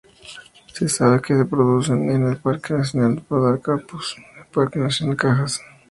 Se sabe que se producen en el Parque nacional Podocarpus y Parque nacional Cajas.